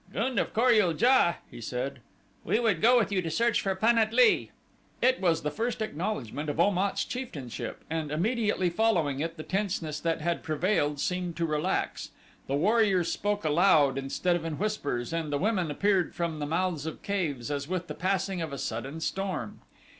"Gund of Kor ul JA," he said, "we would go with you to search for Pan at lee." It was the first acknowledgment of Om at's chieftainship and immediately following it the tenseness that had prevailed seemed to relax the warriors spoke aloud instead of in whispers, and the women appeared from the mouths of caves as with the passing of a sudden storm.